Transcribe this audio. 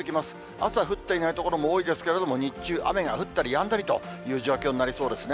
朝降っていない所も多いですけれども、日中、雨が降ったりやんだりという状況になりそうですね。